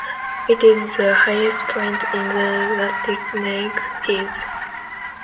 It is the highest point in the Rattlesnake Hills.